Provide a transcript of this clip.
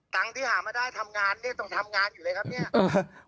ที่หามาได้ทำงานเนี่ยต้องทำงานอยู่เลยครับเนี่ย